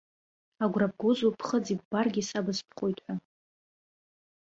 Агәра бгозу ԥхыӡ иббаргьы са быстәхоит ҳәа?